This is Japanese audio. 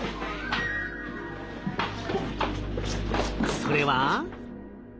それは？